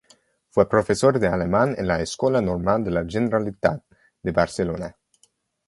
Fue profesor de alemán en la Escola Normal de la Generalitat de Barcelona.